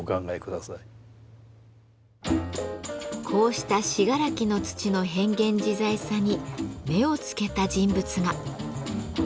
こうした信楽の土の変幻自在さに目をつけた人物が。